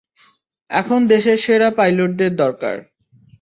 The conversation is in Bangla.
এখন দেশের সেরা পাইলটদের দরকার।